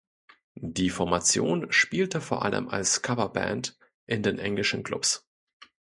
Die Formation spielte vor allem als Coverband in den englischen Clubs.